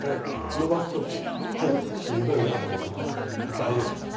伸ばす時しんどいなと思うのは大丈夫ですか？